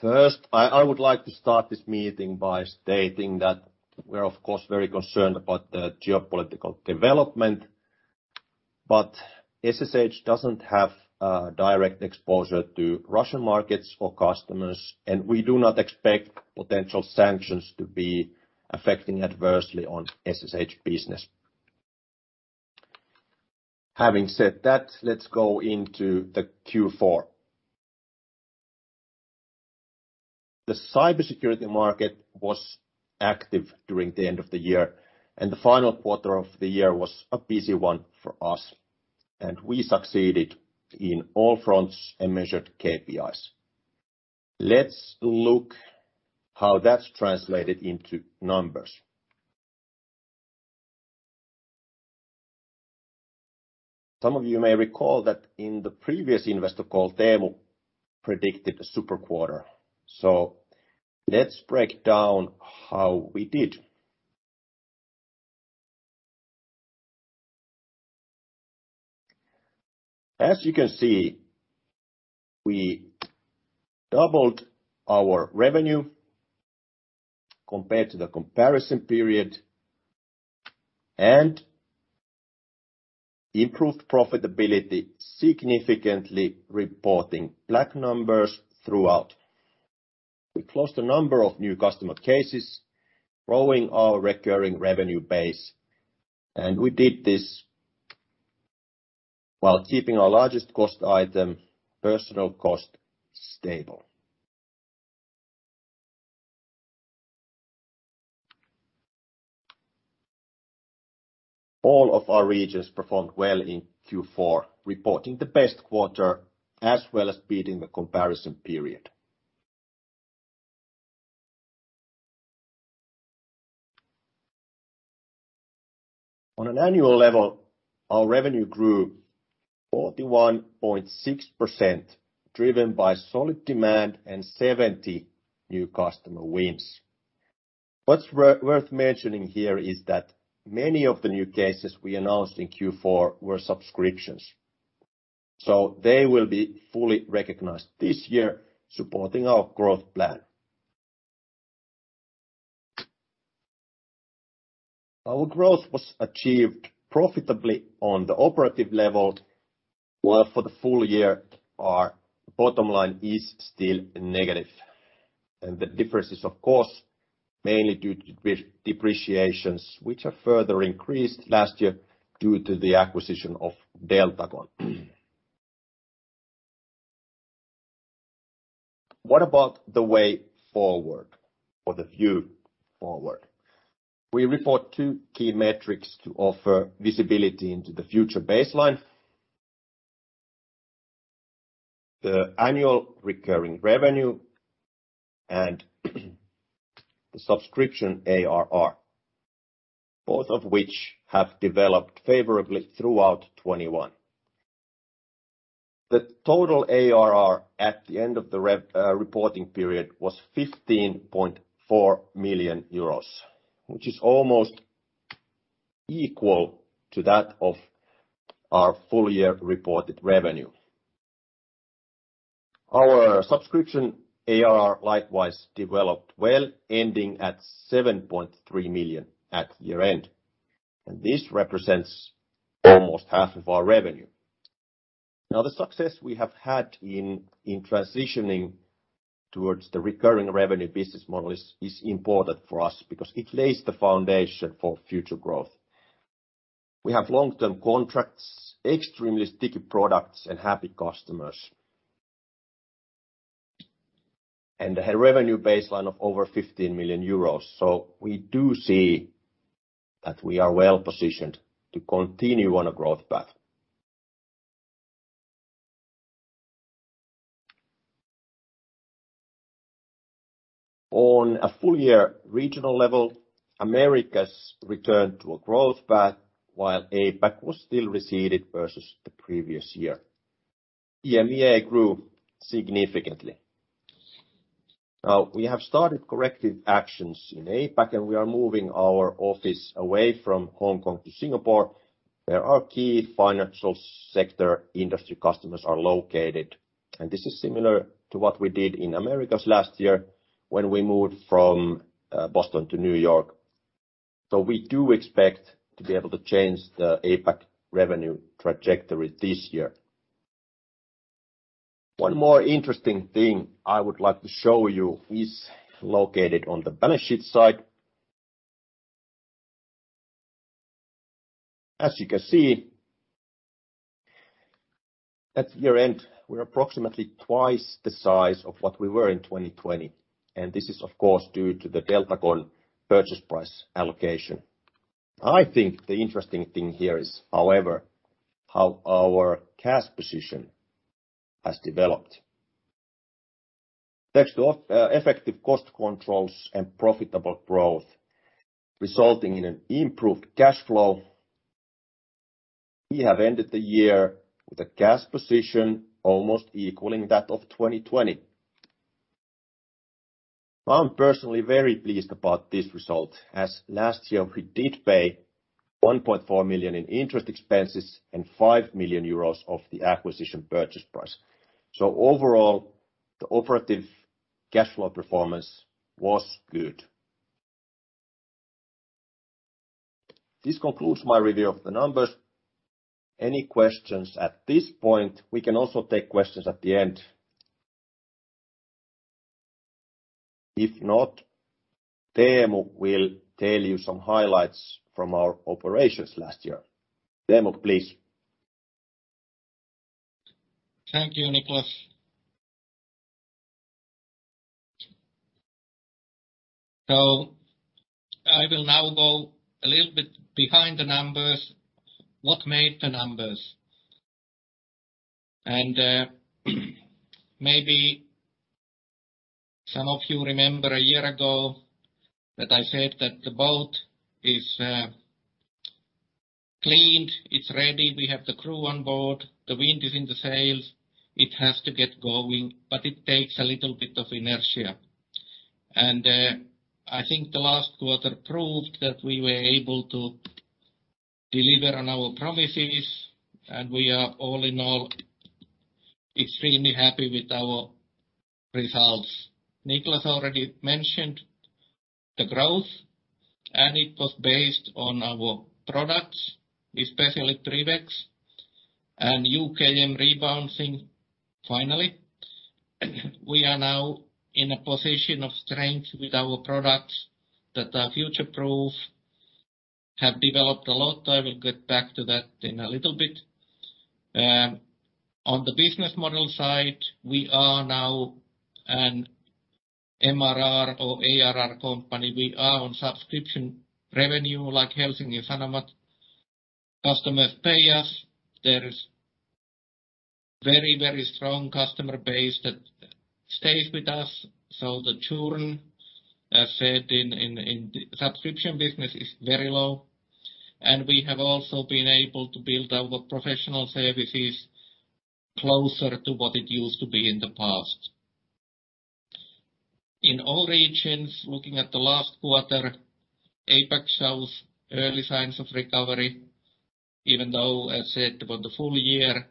First, I would like to start this meeting by stating that we're of course very concerned about the geopolitical development, but SSH doesn't have direct exposure to Russian markets or customers, and we do not expect potential sanctions to be affecting adversely on SSH business. Having said that, let's go into the Q4. The cybersecurity market was active during the end of the year, and the final quarter of the year was a busy one for us, and we succeeded in all fronts and measured KPIs. Let's look how that's translated into numbers. Some of you may recall that in the previous investor call, Teemu predicted a super quarter. Let's break down how we did. As you can see, we doubled our revenue compared to the comparison period and improved profitability significantly, reporting black numbers throughout. We closed a number of new customer cases, growing our recurring revenue base, and we did this while keeping our largest cost item, personal cost, stable. All of our regions performed well in Q4, reporting the best quarter as well as beating the comparison period. On an annual level, our revenue grew 41.6%, driven by solid demand and 70 new customer wins. What's worth mentioning here is that many of the new cases we announced in Q4 were subscriptions. They will be fully recognized this year, supporting our growth plan. Our growth was achieved profitably on the operative level, while for the full year our bottom line is still negative. The difference is of course, mainly due to depreciations, which are further increased last year due to the acquisition of Deltagon. What about the way forward or the view forward? We report two key metrics to offer visibility into the future baseline. The annual recurring revenue and the subscription ARR, both of which have developed favorably throughout 2021. The total ARR at the end of the reporting period was 15.4 million euros, which is almost equal to that of our full year reported revenue. Our subscription ARR likewise developed well, ending at 7.3 million at year-end, and this represents almost half of our revenue. Now, the success we have had in transitioning towards the recurring revenue business model is important for us because it lays the foundation for future growth. We have long-term contracts, extremely sticky products, and happy customers and a revenue baseline of over 15 million euros. We do see that we are well-positioned to continue on a growth path. On a full year regional level, Americas returned to a growth path while APAC was still receded versus the previous year. EMEA grew significantly. Now, we have started corrective actions in APAC, and we are moving our office away from Hong Kong to Singapore, where our key financial sector industry customers are located. This is similar to what we did in Americas last year when we moved from Boston to New York. We do expect to be able to change the APAC revenue trajectory this year. One more interesting thing I would like to show you is located on the balance sheet side. As you can see, at year-end, we're approximately twice the size of what we were in 2020, and this is of course due to the Deltagon purchase price allocation. I think the interesting thing here is, however, how our cash position has developed. Thanks to effective cost controls and profitable growth resulting in an improved cash flow, we have ended the year with a cash position almost equaling that of 2020. I'm personally very pleased about this result, as last year we did pay 1.4 million in interest expenses and 5 million euros of the acquisition purchase price. Overall, the operative cash flow performance was good. This concludes my review of the numbers. Any questions at this point? We can also take questions at the end. If not, Teemu will tell you some highlights from our operations last year. Teemu, please. Thank you, Niklas. I will now go a little bit behind the numbers, what made the numbers. Maybe some of you remember a year ago that I said that the boat is cleaned, it's ready, we have the crew on board, the wind is in the sails, it has to get going, but it takes a little bit of inertia. I think the last quarter proved that we were able to deliver on our promises, and we are all in all extremely happy with our results. Niklas already mentioned the growth, and it was based on our products, especially PrivX and UKM rebounding finally. We are now in a position of strength with our products that are future-proof, have developed a lot. I will get back to that in a little bit. On the business model side, we are now an MRR or ARR company. We are on subscription revenue like Helsinki and Hanasaari. Customers pay us. There is very, very strong customer base that stays with us. The churn as in the subscription business is very low. We have also been able to build our professional services closer to what it used to be in the past. In all regions, looking at the last quarter, APAC South, early signs of recovery. Even though I said about the full year,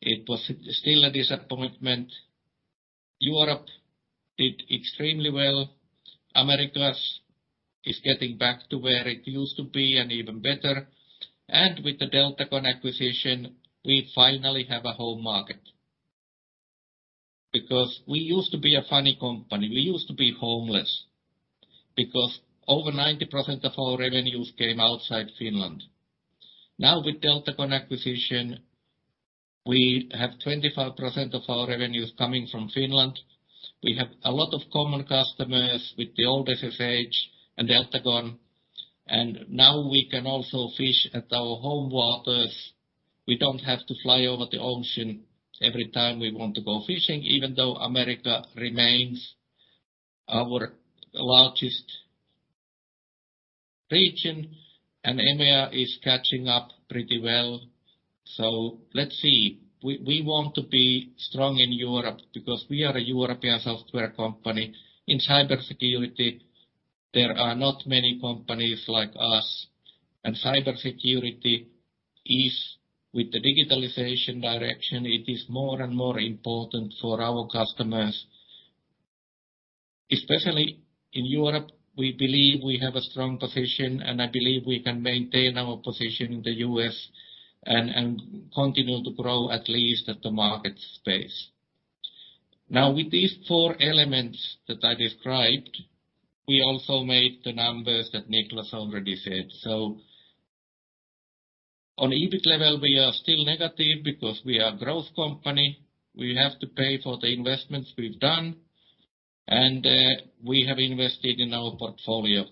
it was still a disappointment. Europe did extremely well. Americas is getting back to where it used to be and even better. With the Deltagon acquisition, we finally have a home market. Because we used to be a funny company, we used to be homeless because over 90% of our revenues came outside Finland. Now with Deltagon acquisition, we have 25% of our revenues coming from Finland. We have a lot of common customers with the old SSH and Deltagon, and now we can also fish at our home waters. We don't have to fly over the ocean every time we want to go fishing, even though America remains our largest region and EMEA is catching up pretty well. Let's see. We want to be strong in Europe because we are a European software company. In cybersecurity, there are not many companies like us, and cybersecurity is, with the digitalization direction, it is more and more important for our customers. Especially in Europe, we believe we have a strong position, and I believe we can maintain our position in the U.S. and continue to grow at least at the market pace. Now, with these four elements that I described, we also made the numbers that Niklas already said. On EBIT level we are still negative because we are growth company. We have to pay for the investments we've done, and we have invested in our portfolio.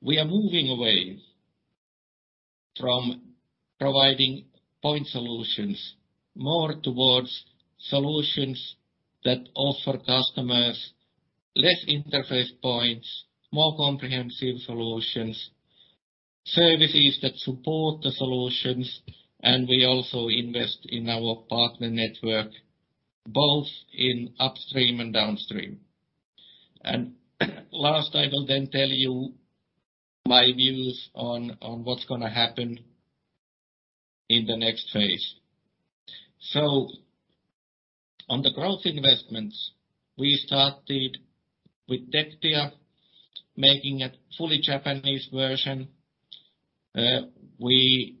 We are moving away from providing point solutions more towards solutions that offer customers less interface points, more comprehensive solutions, services that support the solutions, and we also invest in our partner network, both in upstream and downstream. Last I will then tell you my views on what's gonna happen in the next phase. On the growth investments, we started with Tectia making a fully Japanese version. We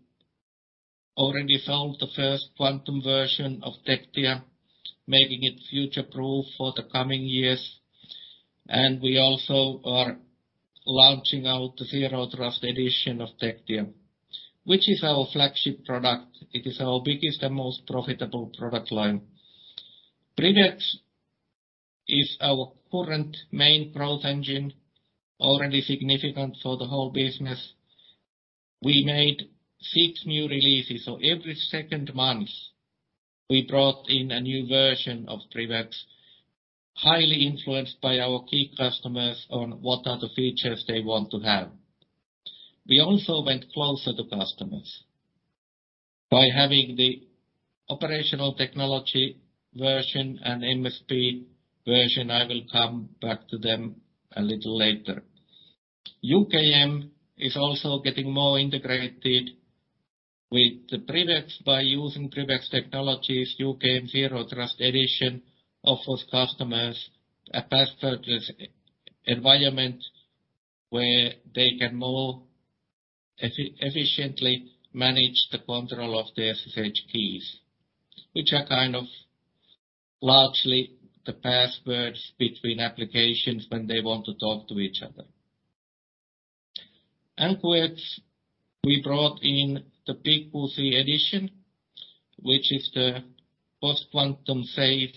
already sold the first quantum version of Tectia, making it future proof for the coming years. We also are launching out the Zero Trust edition of Tectia, which is our flagship product. It is our biggest and most profitable product line. PrivX is our current main growth engine, already significant for the whole business. We made six new releases, so every second month we brought in a new version of PrivX, highly influenced by our key customers on what are the features they want to have. We also went closer to customers. By having the operational technology version and MSP version, I will come back to them a little later. UKM is also getting more integrated with the PrivX by using PrivX technologies. UKM Zero Trust edition offers customers a passwordless environment where they can more efficiently manage the control of the SSH keys, which are kind of largely the passwords between applications when they want to talk to each other. NQX, we brought in the PQC edition, which is the post-quantum safe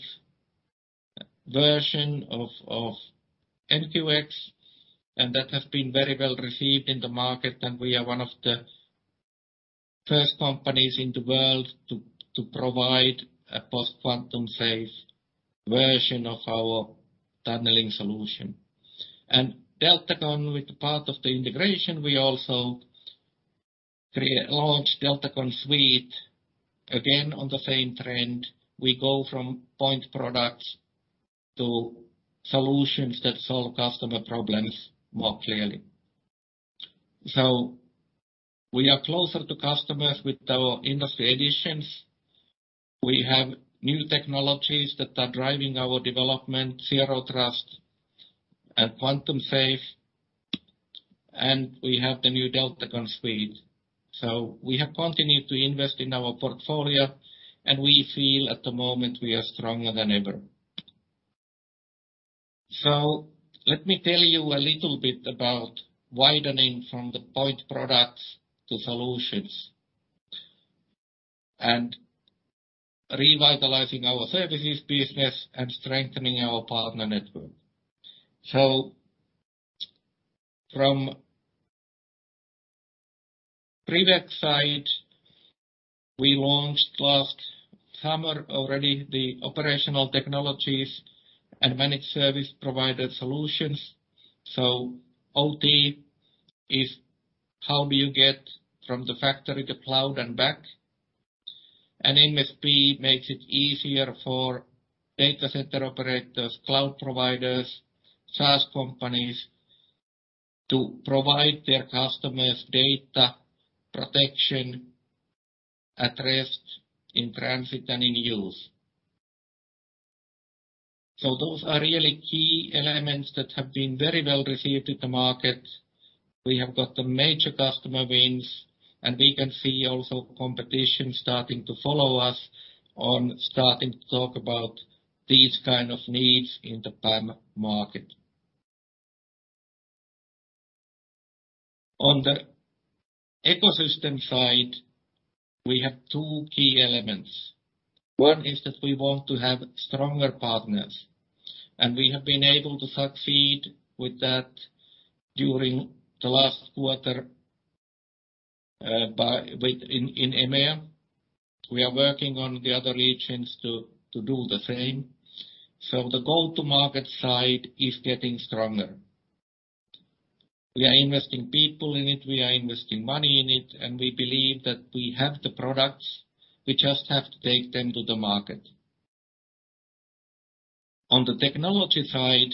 version of NQX, and that has been very well received in the market. We are one of the first companies in the world to provide a post-quantum safe version of our tunneling solution. Deltagon, as part of the integration, we also re-launched Deltagon Suite. Again, on the same trend, we go from point products to solutions that solve customer problems more clearly. We are closer to customers with our industry editions. We have new technologies that are driving our development, Zero Trust and Quantum Safe, and we have the new Deltagon Suite. We have continued to invest in our portfolio, and we feel at the moment we are stronger than ever. Let me tell you a little bit about widening from the point products to solutions and revitalizing our services business and strengthening our partner network. From PrivX side, we launched last summer already the operational technologies and managed service provider solutions. OT is how do you get from the factory to cloud and back. MSP makes it easier for data center operators, cloud providers, SaaS companies to provide their customers data protection at rest, in transit, and in use. Those are really key elements that have been very well received in the market. We have got the major customer wins, and we can see also competition starting to follow suit, starting to talk about these kind of needs in the PAM market. On the ecosystem side, we have two key elements. One is that we want to have stronger partners, and we have been able to succeed with that during the last quarter in EMEA. We are working on the other regions to do the same. The go-to-market side is getting stronger. We are investing people in it, we are investing money in it, and we believe that we have the products. We just have to take them to the market. On the technology side,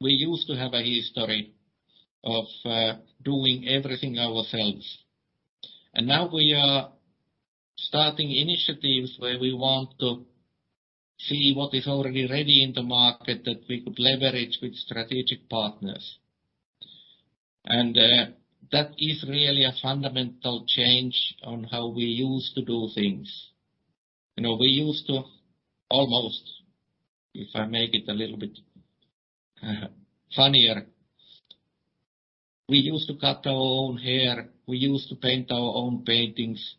we used to have a history of doing everything ourselves, and now we are starting initiatives where we want to see what is already ready in the market that we could leverage with strategic partners. That is really a fundamental change in how we used to do things. You know, we used to almost, if I make it a little bit funnier, we used to cut our own hair, we used to paint our own paintings.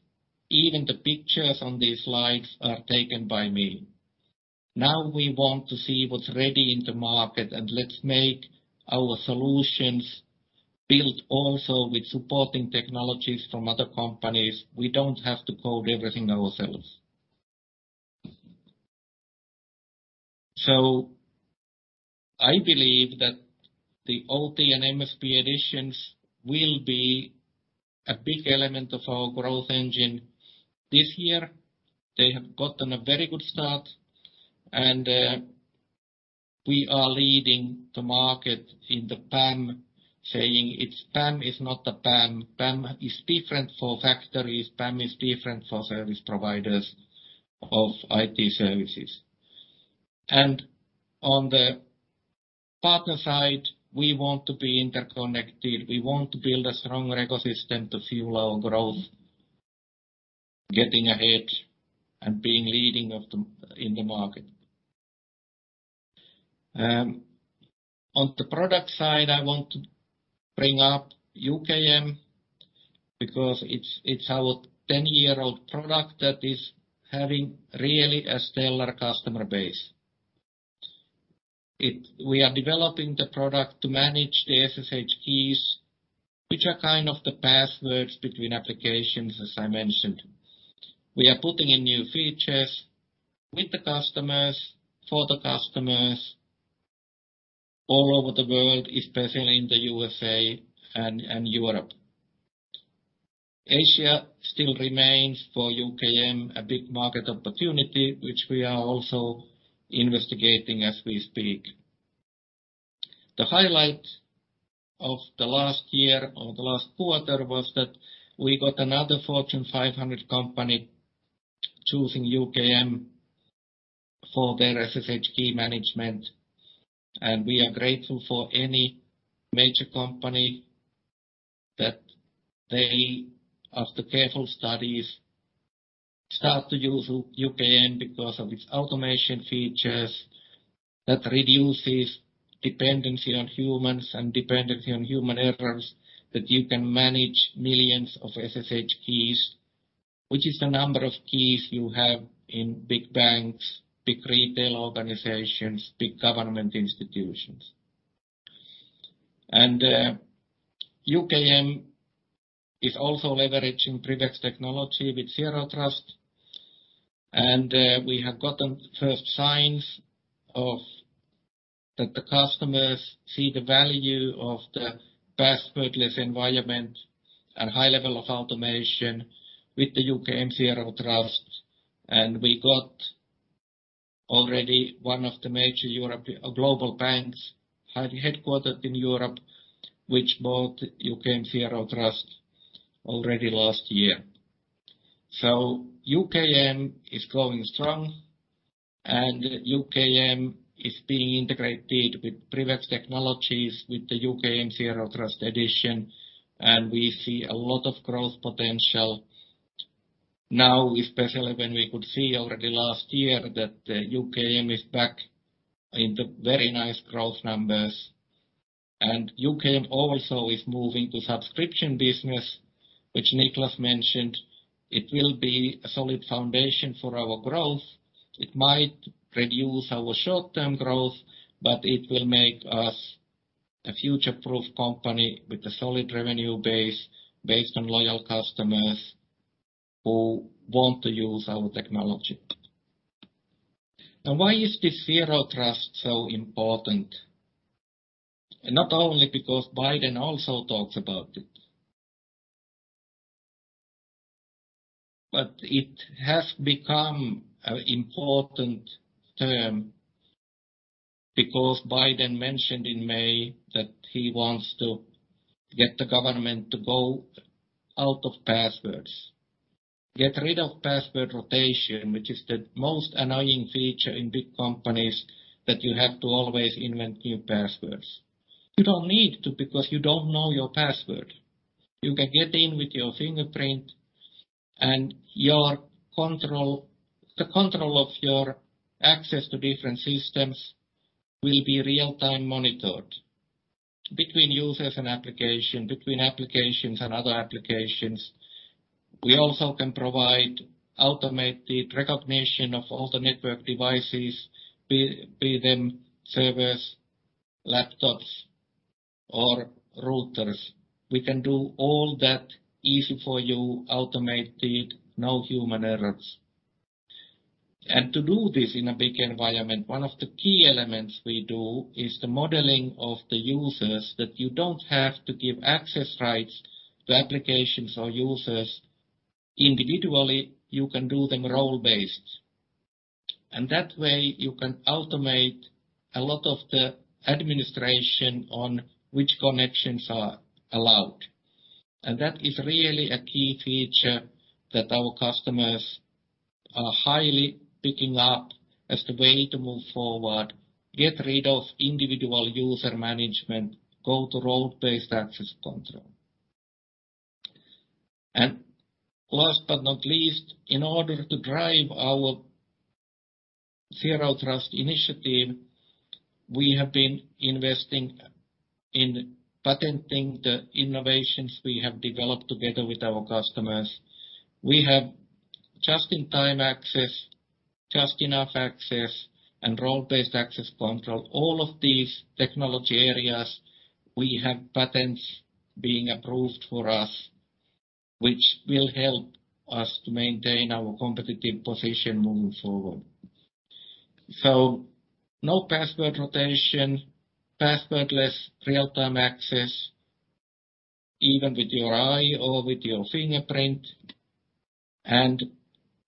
Even the pictures on these slides are taken by me. Now we want to see what's ready in the market and let's make our solutions built also with supporting technologies from other companies. We don't have to code everything ourselves. I believe that the OT and MSP editions will be a big element of our growth engine this year. They have gotten a very good start, and we are leading the market in the PAM saying PAM is not a PAM. PAM is different for factories, PAM is different for service providers of IT services. On the partner side, we want to be interconnected. We want to build a stronger ecosystem to fuel our growth, getting ahead and being leading in the market. On the product side, I want to bring up UKM because it's our ten-year-old product that is having really a stellar customer base. We are developing the product to manage the SSH keys, which are kind of the passwords between applications, as I mentioned. We are putting in new features with the customers, for the customers. All over the world, especially in the USA and Europe. Asia still remains for UKM a big market opportunity, which we are also investigating as we speak. The highlight of the last year or the last quarter was that we got another Fortune 500 company choosing UKM for their SSH key management, and we are grateful for any major company that they, after careful studies, start to use UKM because of its automation features that reduces dependency on humans and dependency on human errors, that you can manage millions of SSH keys, which is the number of keys you have in big banks, big retail organizations, big government institutions. UKM is also leveraging PrivX technology with Zero Trust, and we have gotten first signs of that the customers see the value of the passwordless environment and high level of automation with the UKM Zero Trust. We got already one of the major global banks headquartered in Europe, which bought UKM Zero Trust already last year. UKM is going strong, and UKM is being integrated with PrivX technologies with the UKM Zero Trust edition, and we see a lot of growth potential now, especially when we could see already last year that the UKM is back in the very nice growth numbers. UKM also is moving to subscription business, which Niklas mentioned. It will be a solid foundation for our growth. It might reduce our short-term growth, but it will make us a future-proof company with a solid revenue base based on loyal customers who want to use our technology. Now, why is this Zero Trust so important? Not only because Biden also talks about it. It has become an important term because Biden mentioned in May that he wants to get the government to go out of passwords, get rid of password rotation, which is the most annoying feature in big companies, that you have to always invent new passwords. You don't need to because you don't know your password. You can get in with your fingerprint and your control, the control of your access to different systems will be real-time monitored between users and application, between applications and other applications. We also can provide automated recognition of all the network devices, be them servers, laptops, or routers. We can do all that easy for you, automated, no human errors. To do this in a big environment, one of the key elements we do is the modeling of the users, that you don't have to give access rights to applications or users individually. You can do them role-based. That way you can automate a lot of the administration on which connections are allowed. That is really a key feature that our customers are highly picking up as the way to move forward, get rid of individual user management, go to role-based access control. Last but not least, in order to drive our Zero Trust initiative, we have been investing in patenting the innovations we have developed together with our customers. We have just-in-time access, just-enough access, and role-based access control. All of these technology areas, we have patents being approved for us, which will help us to maintain our competitive position moving forward. No password rotation, passwordless real-time access, even with your eye or with your fingerprint.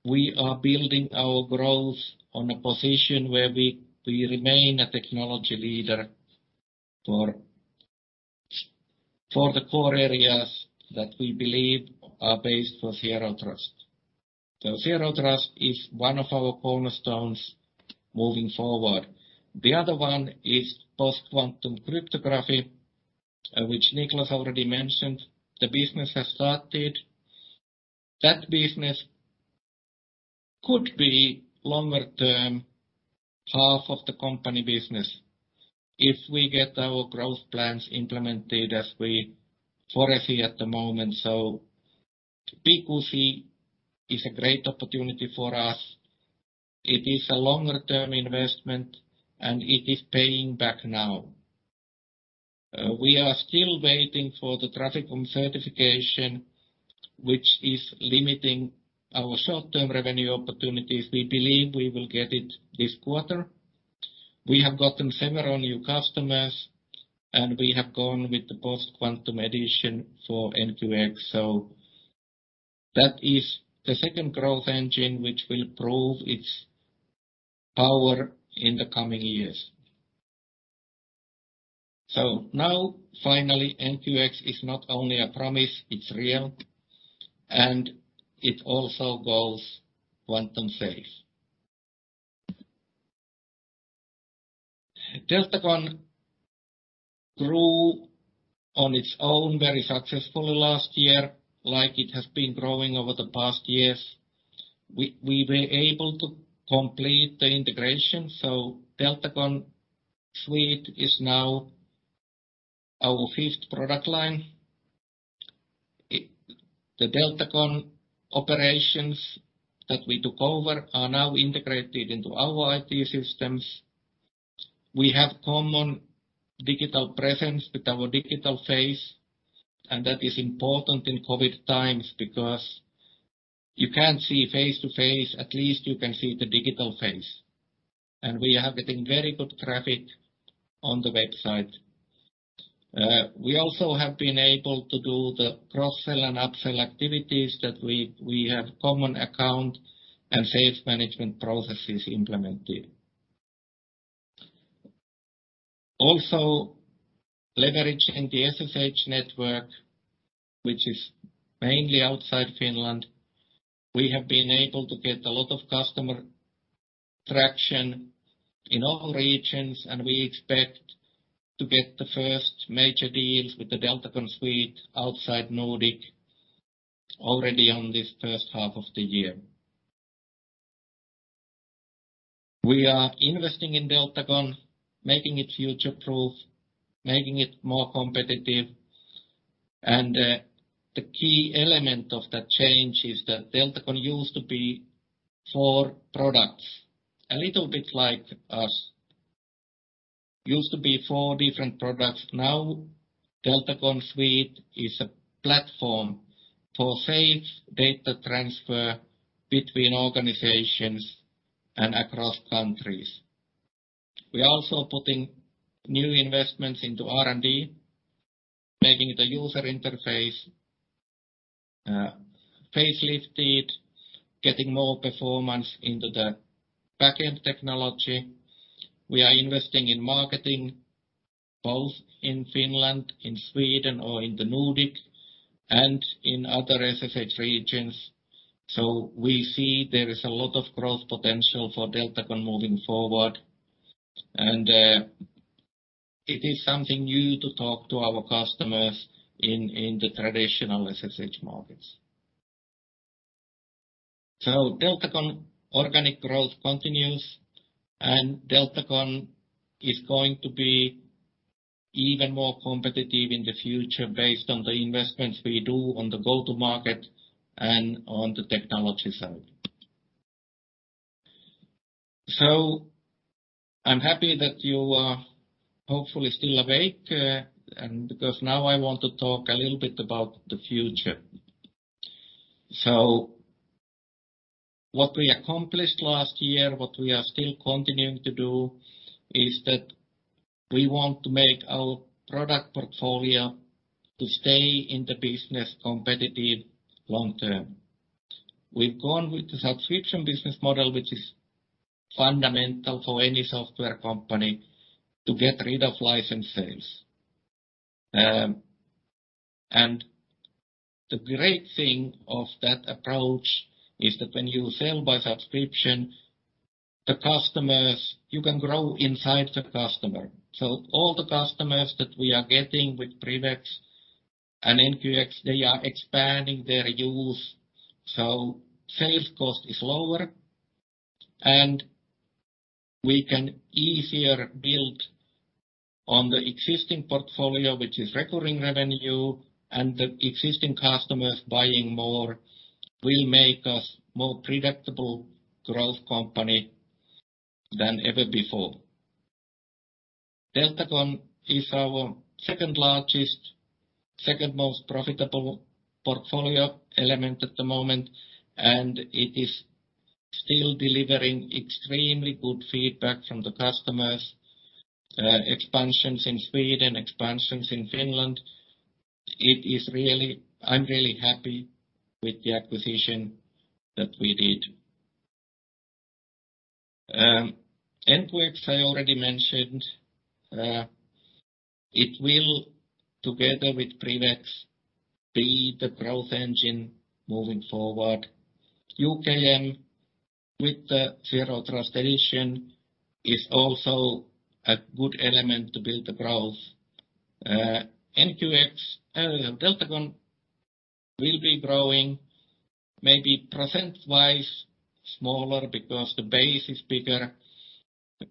We are building our growth on a position where we remain a technology leader for the core areas that we believe are basis for Zero Trust. Zero Trust is one of our cornerstones moving forward. The other one is post-quantum cryptography, which Niklas already mentioned. The business has started. That business could be longer term, half of the company business if we get our growth plans implemented as we foresee at the moment. PQC is a great opportunity for us. It is a longer-term investment, and it is paying back now. We are still waiting for the FIPS certification, which is limiting our short-term revenue opportunities. We believe we will get it this quarter. We have gotten several new customers, and we have gone with the post-quantum addition for NQX, so that is the second growth engine which will prove its power in the coming years. Now finally, NQX is not only a promise, it's real, and it also goes quantum-safe. Deltagon grew on its own very successfully last year like it has been growing over the past years. We were able to complete the integration, so Deltagon Suite is now our fifth product line. It. The Deltagon operations that we took over are now integrated into our IT systems. We have common digital presence with our digital face, and that is important in COVID times because you can't see face-to-face. At least you can see the digital face. We are getting very good traffic on the website. We also have been able to do the cross-sell and upsell activities that we have common account and sales management processes implemented. Also, leveraging the SSH network, which is mainly outside Finland, we have been able to get a lot of customer traction in all regions, and we expect to get the first major deals with the Deltagon Suite outside Nordic already on this first half of the year. We are investing in Deltagon, making it future-proof, making it more competitive. The key element of that change is that Deltagon used to be four products, a little bit like us. Used to be four different products. Now, Deltagon Suite is a platform for safe data transfer between organizations and across countries. We're also putting new investments into R&D, making the user interface face-lifted, getting more performance into the backend technology. We are investing in marketing both in Finland, in Sweden or in the Nordic, and in other SSH regions. We see there is a lot of growth potential for Deltagon moving forward, and it is something new to talk to our customers in the traditional SSH markets. Deltagon organic growth continues, and Deltagon is going to be even more competitive in the future based on the investments we do on the go-to-market and on the technology side. I'm happy that you are hopefully still awake, and because now I want to talk a little bit about the future. What we accomplished last year, what we are still continuing to do is that we want to make our product portfolio to stay in the business competitive long term. We've gone with the subscription business model, which is fundamental for any software company to get rid of license sales. The great thing of that approach is that when you sell by subscription, the customers, you can grow inside the customer. All the customers that we are getting with PrivX and NQX, they are expanding their use. Sales cost is lower, and we can easier build on the existing portfolio, which is recurring revenue, and the existing customers buying more will make us more predictable growth company than ever before. Deltagon is our second-largest, second-most profitable portfolio element at the moment, and it is still delivering extremely good feedback from the customers, expansions in Sweden, expansions in Finland. It is really. I'm really happy with the acquisition that we did. NQX, I already mentioned. It will, together with PrivX, be the growth engine moving forward. UKM Zero Trust is also a good element to build the growth. NQX, Deltagon will be growing maybe percent-wise smaller because the base is bigger,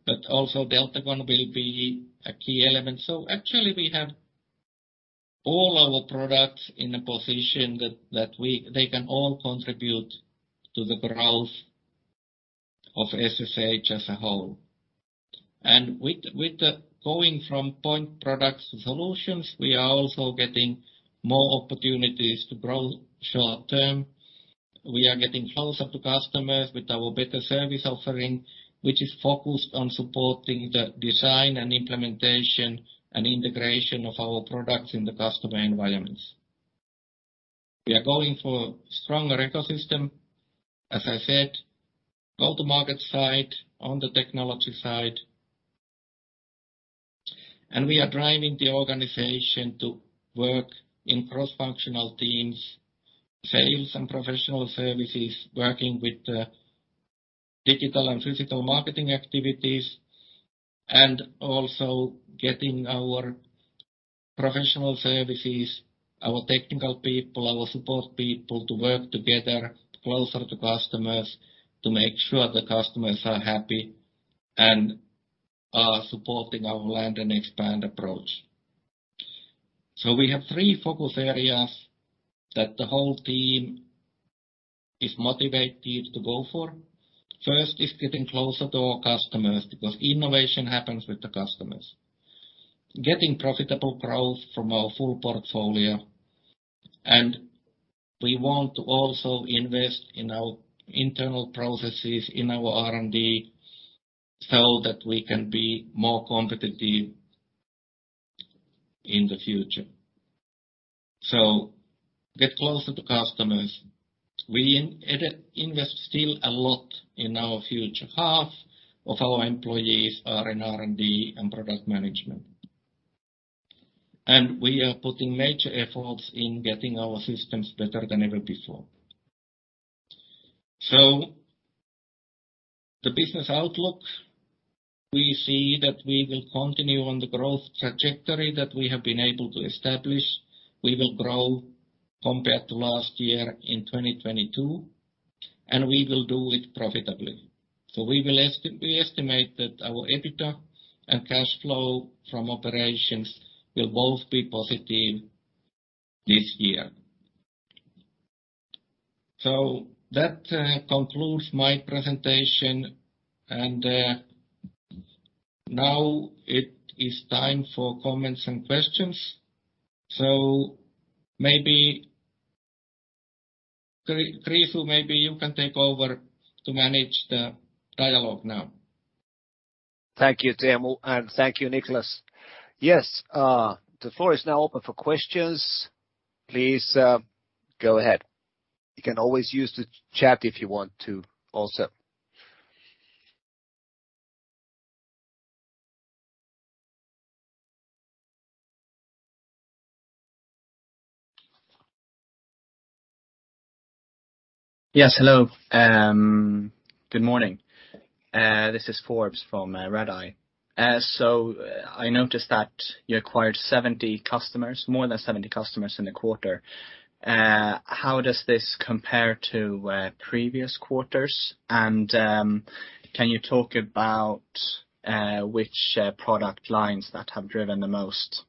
but also Deltagon will be a key element. Actually, we have all our products in a position that they can all contribute to the growth of SSH as a whole. With the going from point products to solutions, we are also getting more opportunities to grow short term. We are getting closer to customers with our better service offering, which is focused on supporting the design and implementation and integration of our products in the customer environments. We are going for stronger ecosystem, as I said, go to market side, on the technology side. We are driving the organization to work in cross-functional teams, sales and professional services, working with the digital and physical marketing activities, and also getting our professional services, our technical people, our support people to work together closer to customers to make sure the customers are happy and are supporting our land and expand approach. We have three focus areas that the whole team is motivated to go for. First is getting closer to our customers because innovation happens with the customers. Getting profitable growth from our full portfolio, and we want to also invest in our internal processes, in our R&D, so that we can be more competitive in the future. Get closer to customers. We invest still a lot in our future. Half of our employees are in R&D and product management. We are putting major efforts in getting our systems better than ever before. The business outlook, we see that we will continue on the growth trajectory that we have been able to establish. We will grow compared to last year in 2022, and we will do it profitably. We estimate that our EBITDA and cash flow from operations will both be positive this year. That concludes my presentation, and now it is time for comments and questions. Maybe Krisu, maybe you can take over to manage the dialogue now. Thank you, Teemu, and thank you, Niklas. Yes, the floor is now open for questions. Please, go ahead. You can always use the chat if you want to also. Hello. Good morning. This is Forbes from Redeye. I noticed that you acquired 70 customers, more than 70 customers in the quarter. How does this compare to previous quarters? Can you talk about which product lines that have driven the most?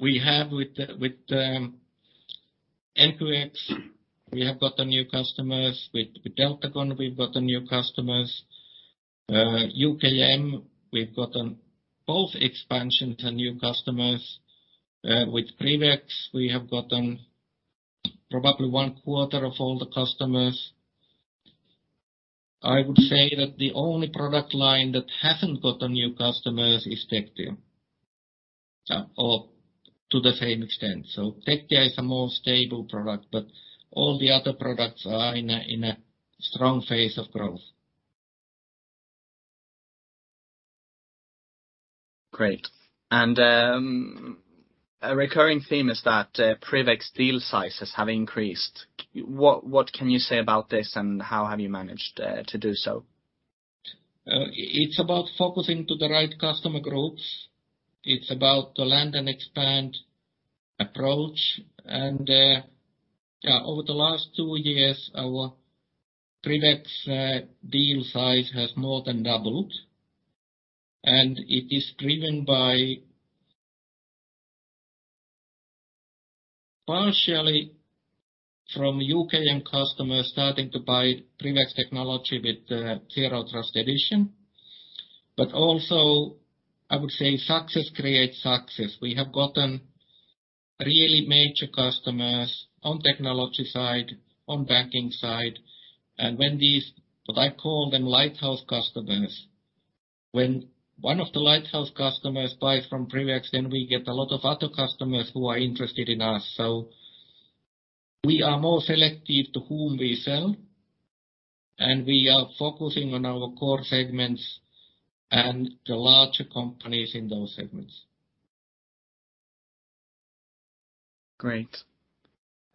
We have with the NQX, we have gotten new customers. With Deltagon, we've gotten new customers. UKM, we've gotten both expansions and new customers. With PrivX, we have gotten probably one quarter of all the customers. I would say that the only product line that hasn't gotten new customers is Tectia, or to the same extent. Tectia is a more stable product, but all the other products are in a strong phase of growth. Great. A recurring theme is that PrivX deal sizes have increased. What can you say about this, and how have you managed to do so? It's about focusing to the right customer groups. It's about the land and expand approach. Over the last two years, our PrivX deal size has more than doubled, and it is driven by partially from UKM customers starting to buy PrivX technology with the Zero Trust edition. I would say success creates success. We have gotten really major customers on technology side, on banking side, and when these, what I call them lighthouse customers, when one of the lighthouse customers buys from PrivX, then we get a lot of other customers who are interested in us. We are more selective to whom we sell, and we are focusing on our core segments and the larger companies in those segments. Great.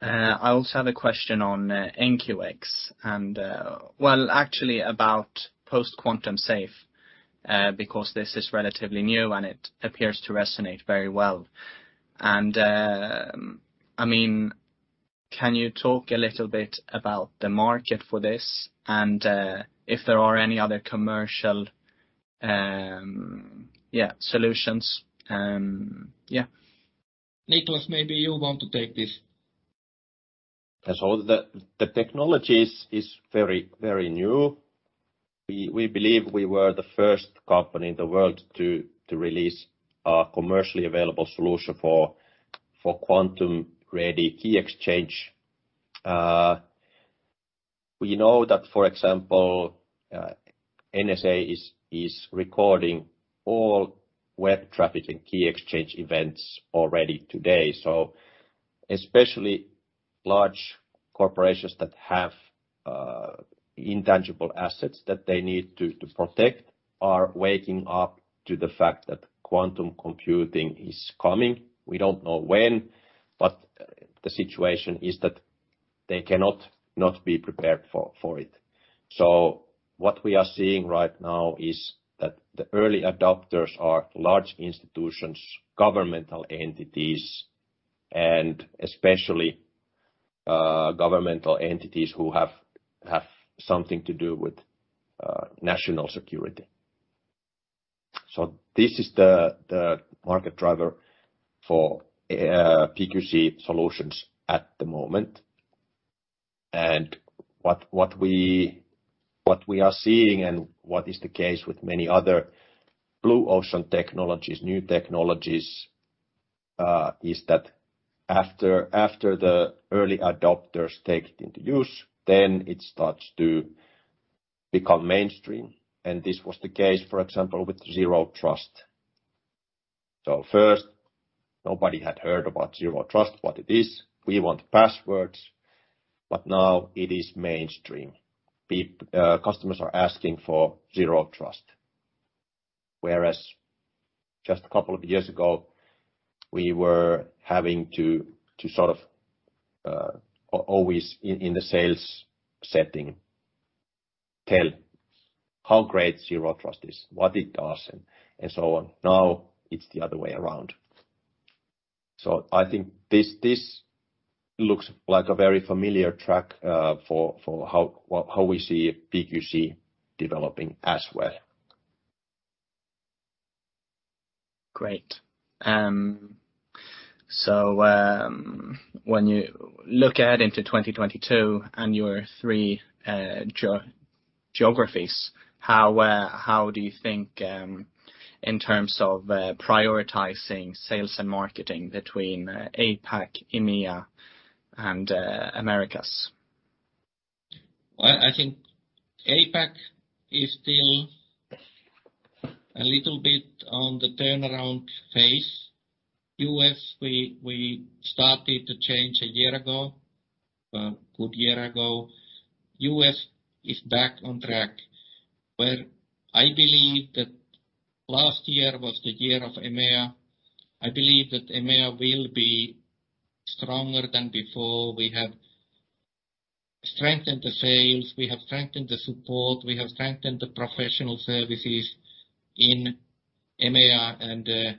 I also have a question on NQX and... Well, actually about post-quantum safe, because this is relatively new, and it appears to resonate very well. I mean, can you talk a little bit about the market for this and, if there are any other commercial solutions? Niklas, maybe you want to take this. The technology is very new. We believe we were the first company in the world to release a commercially available solution for quantum-ready key exchange. We know that, for example, NSA is recording all web traffic and key exchange events already today. Especially large corporations that have intangible assets that they need to protect are waking up to the fact that quantum computing is coming. We don't know when, but the situation is that they cannot not be prepared for it. What we are seeing right now is that the early adopters are large institutions, governmental entities, and especially governmental entities who have something to do with national security. This is the market driver for PQC solutions at the moment. What we are seeing and what is the case with many other blue ocean technologies, new technologies, is that after the early adopters take it into use, then it starts to become mainstream. This was the case, for example, with Zero Trust. First, nobody had heard about Zero Trust, what it is. We want passwords. Now it is mainstream. Customers are asking for Zero Trust. Whereas just a couple of years ago, we were having to sort of always in the sales setting tell how great Zero Trust is, what it does, and so on. Now it's the other way around. I think this looks like a very familiar track for how we see PQC developing as well. Great. When you look ahead into 2022 and your three geographies, how do you think in terms of prioritizing sales and marketing between APAC, EMEA, and Americas? Well, I think APAC is still a little bit on the turnaround phase. U.S., we started to change a good year ago. U.S. is back on track. Where I believe that last year was the year of EMEA. I believe that EMEA will be stronger than before. We have strengthened the sales, we have strengthened the support, we have strengthened the professional services in EMEA.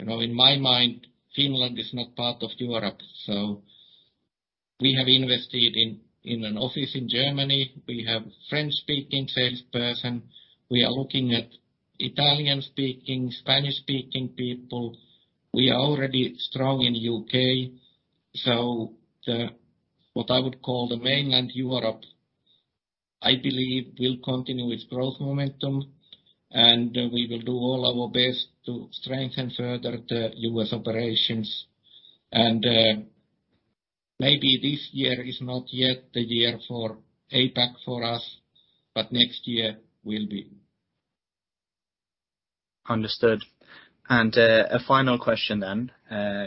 You know, in my mind, Finland is not part of Europe. We have invested in an office in Germany. We have French-speaking salesperson. We are looking at Italian-speaking, Spanish-speaking people. We are already strong in U.K. The, what I would call the mainland Europe, I believe will continue its growth momentum, and we will do all our best to strengthen further the U.S. operations. Maybe this year is not yet the year for APAC for us, but next year will be. Understood. A final question then.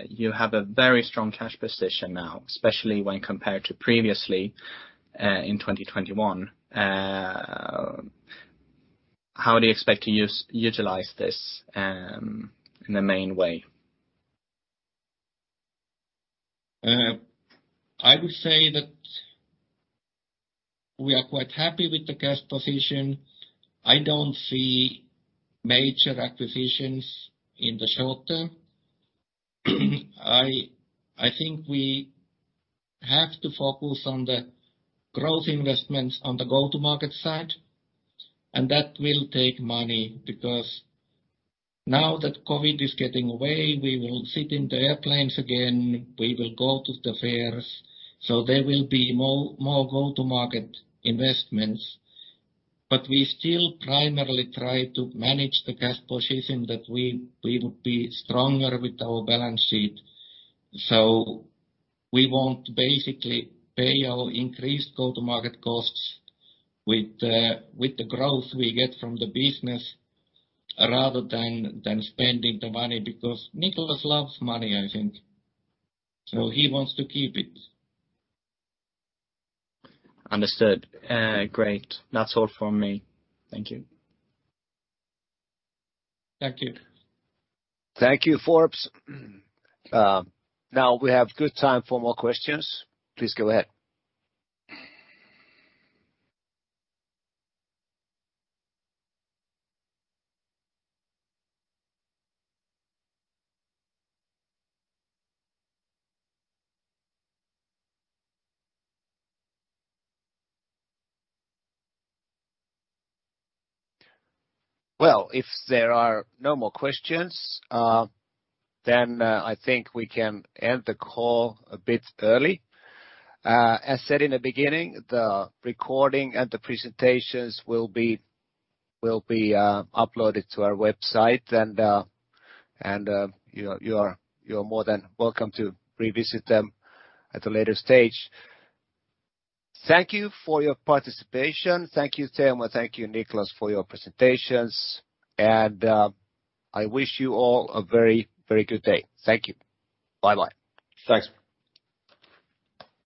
You have a very strong cash position now, especially when compared to previously, in 2021. How do you expect to utilize this in the main way? I would say that we are quite happy with the cash position. I don't see major acquisitions in the short term. I think we have to focus on the growth investments on the go-to-market side, and that will take money because now that COVID is getting away, we will sit in the airplanes again, we will go to the fairs. There will be more go-to-market investments. But we still primarily try to manage the cash position that we would be stronger with our balance sheet. We want to basically pay our increased go-to-market costs with the growth we get from the business, rather than spending the money, because Niklas loves money, I think. He wants to keep it. Understood. Great. That's all from me. Thank you. Thank you. Thank you, Forbes. Now we have good time for more questions. Please go ahead. Well, if there are no more questions, then I think we can end the call a bit early. As said in the beginning, the recording and the presentations will be uploaded to our website, and you're more than welcome to revisit them at a later stage. Thank you for your participation. Thank you, Teemu. Thank you, Niklas, for your presentations. I wish you all a very good day. Thank you. Bye-bye. Thanks.